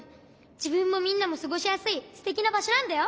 じぶんもみんなもすごしやすいすてきなばしょなんだよ。